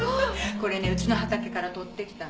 これねうちの畑からとってきたの。